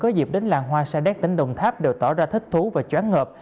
có dịp đến làng hoa sa đéc tỉnh đồng tháp đều tỏ ra thích thú và chóng ngợp